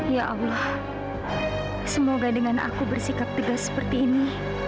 ya allah semoga dengan aku bersikap tegas seperti ini